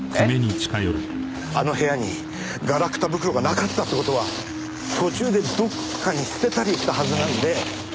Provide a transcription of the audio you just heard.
あの部屋にガラクタ袋がなかったって事は途中でどっかに捨てたりしたはずなんで。